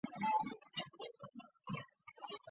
康楚元自称南楚霸王。